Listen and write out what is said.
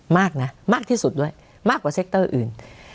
มากนะมากที่สุดด้วยมากกว่าเซ็กเตอร์อื่น